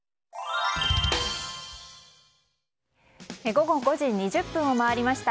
午後５時２０分を回りました。